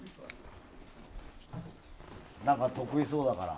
得意そうだから。